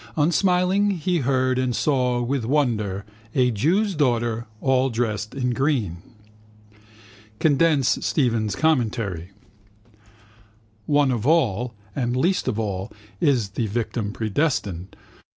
Unsmiling, he heard and saw with wonder a jew's daughter, all dressed in green. Condense Stephen's commentary. One of all, the least of all, is the victim predestined.